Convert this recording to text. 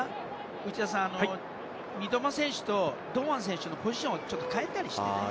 内田さん、三笘選手と堂安選手のポジションを変えたりしてね。